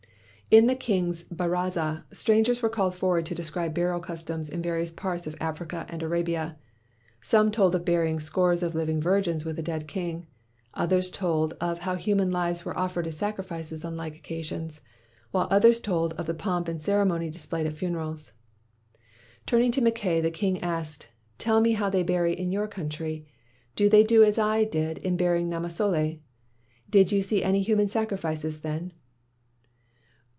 "In the king's haraza, strangers were called forward to describe burial customs in various parts of Africa and Arabia. Some told of burying scores of living virgins with a dead king ; others told of how human lives were offered as sacrifices on like occasions; while others told of the pomp and ceremony displayed at funerals. "Turning to Mackay, the king asked; 'Tell me how they bury in your country? Do they do as I did in burying Namasole? Did you see any human sacrifices then?'